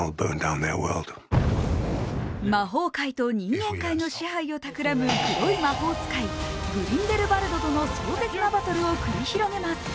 魔法界と人間界の支配を企む黒い魔法使い、グリンデルバルドとの壮絶なバトルを繰り広げます。